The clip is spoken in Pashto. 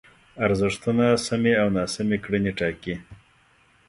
ارزښتونه سمې او ناسمې کړنې ټاکي.